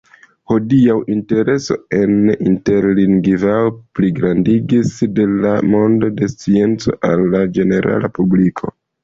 Hodiaŭ, intereso en interlingvao pligrandigis de la mondo de scienco al la ĝenerala publiko.